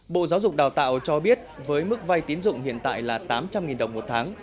bộ giáo dục đào tạo cho biết với mức vay tín dụng hiện tại là tám trăm linh đồng một tháng